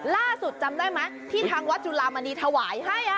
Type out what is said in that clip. จำได้ไหมที่ทางวัดจุลามณีถวายให้